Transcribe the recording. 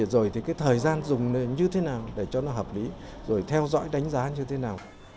rồi thì cái thời gian dùng như thế nào để cho nó hợp lý rồi theo dõi đánh giá như thế nào